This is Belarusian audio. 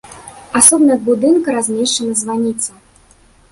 Асобна ад будынка размешчана званіца.